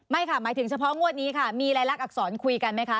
ค่ะหมายถึงเฉพาะงวดนี้ค่ะมีรายลักษรคุยกันไหมคะ